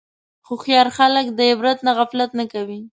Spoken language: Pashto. هوښیار خلک د عبرت نه غفلت نه کوي.